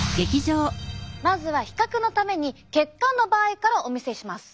まずは比較のために血管の場合からお見せします。